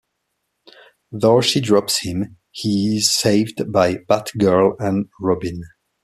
Though she drops him, he is saved by Batgirl and Robin.